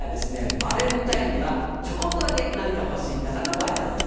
バレンタインにはチョコっとだけ何か欲しい皆さんのご挨拶です。